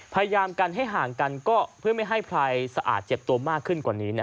พยายามกันให้ห่างกันก็เพื่อไม่ให้ใครสะอาดเจ็บตัวมากขึ้นกว่านี้